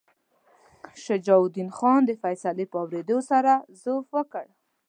شجاع الدین خان د فیصلې په اورېدو سره ضعف وکړ.